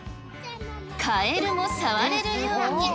カエルも触れるように。